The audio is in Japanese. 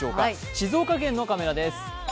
静岡県のカメラです。